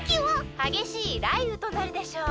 はげしいらいうとなるでしょう。